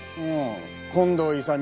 近藤勇